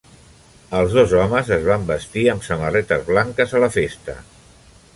Els dos homes es van vestir amb samarretes blanques a la festa.